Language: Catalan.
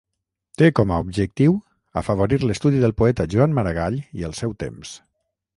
Té com a objectiu afavorir l'estudi del poeta Joan Maragall i el seu temps.